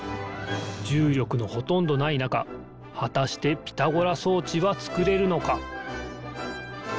じゅうりょくのほとんどないなかはたしてピタゴラそうちはつくれるのか？